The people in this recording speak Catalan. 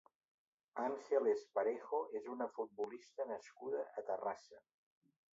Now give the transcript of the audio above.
Ángeles Parejo és una futbolista nascuda a Terrassa.